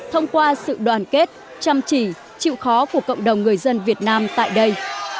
thông qua sự đoàn kết chăm chỉ chịu khó của cộng đồng người dân việt nam tại đây